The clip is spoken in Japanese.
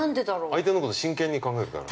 ◆相手のこと真剣に考えるから。